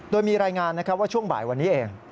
โดยมีรายงานว่าช่วงบ่ายวันนี้เอง